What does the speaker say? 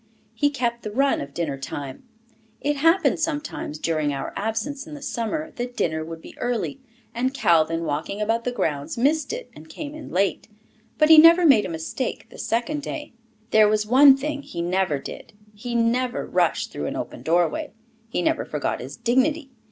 He kept the run of dinner time. It happened sometimes, during our absence in the summer, that dinner would be early, and Calvin walking about the grounds, missed it and came in late. But he never made a mistake the second day. There was one thing he never did, he never rushed through an open doorway. He never forgot his dignity.